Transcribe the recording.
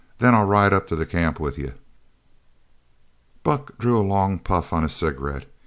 Then I'll ride up to the camp with you." Buck drew a long puff on his cigarette.